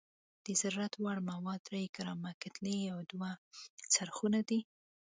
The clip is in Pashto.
د ضرورت وړ مواد درې ګرامه کتلې او دوه څرخونه دي.